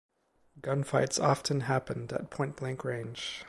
Gunfights often happened at point-blank range.